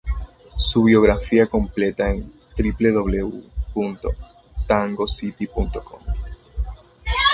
Su biografía completa en www.tangocity.com.